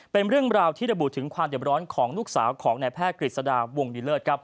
เป็นเรื่องราวที่ระบุถึงความเด็บร้อนของลูกสาวของนายแพทย์กฤษฎาวงดีเลิศ